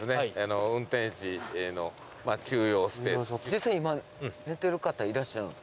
実際今寝てる方いらっしゃるんですか？